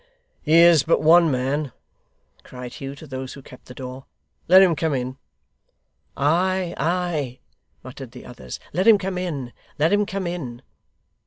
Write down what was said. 'He is but one man,' cried Hugh to those who kept the door; 'let him come in.' 'Ay, ay!' muttered the others. 'Let him come in. Let him come in.